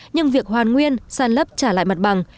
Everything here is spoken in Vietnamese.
nhưng việc hoàn nguyên sàn lấp trả lại mặt bằng